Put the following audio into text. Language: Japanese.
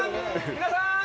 皆さん！